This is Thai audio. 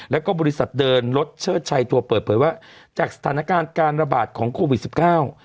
แล้วก็บริษัทเดินรถเชิดชัยทัวร์เปิดเผยว่าจากสถานการณ์การระบาดของโควิดสิบเก้า